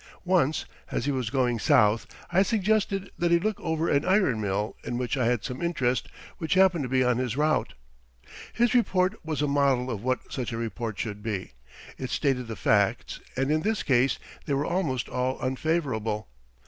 Once, as he was going South, I suggested that he look over an iron mill in which I had some interest which happened to be on his route. His report was a model of what such a report should be. It stated the facts, and in this case they were almost all unfavourable.